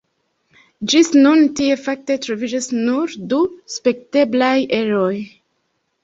Ĝis nun tie fakte troviĝas nur du spekteblaj eroj.